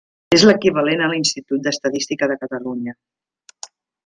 És l'equivalent a l'Institut d'Estadística de Catalunya.